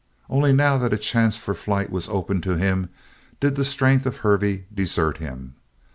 Only now that a chance for flight was open to him did the strength of Hervey desert him.